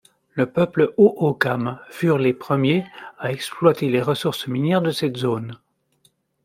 Le peuple Hohokam furent les premiers à exploiter les ressources minières de cette zone.